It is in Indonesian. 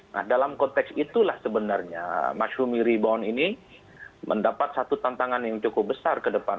nah dalam konteks itulah sebenarnya mas humi rebound ini mendapat satu tantangan yang cukup besar ke depan